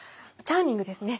チャーミングですね。